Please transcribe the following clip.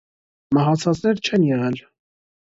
Մահացածներ չեն եղել։